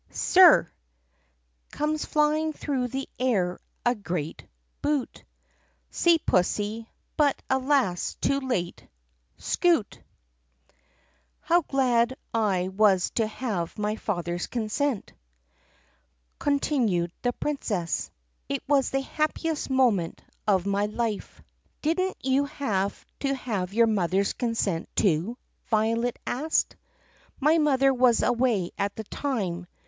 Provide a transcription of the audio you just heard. Sir!" Comes flying through the air a great Boot. See pussy — but, alas, too late — Scoot! OW glad I was to have my father's consent!" con tinued the Princess. "It was the happiest moment of my life." 1 7 18 THE PUSSYCAT PRINCESS "Didn't you have to have your mother's consent too 4 ?" Violet asked. "My mother was away at the time.